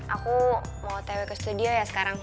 aku mau tw ke studio ya sekarang